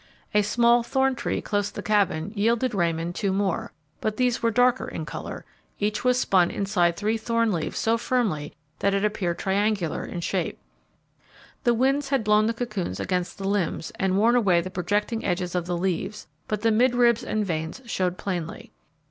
A small thorn tree close the cabin yielded Raymond two more; but these were darker in colour, and each was spun inside three thorn leaves so firmly that it appeared triangular in shape. The winds had blown the cocoons against the limbs and worn away the projecting edges of the leaves, but the midribs and veins showed plainly.